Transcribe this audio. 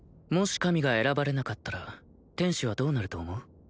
もし神が選ばれなかったら天使はどうなると思う？